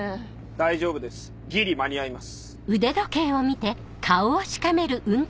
大丈夫ですギリ間に合います。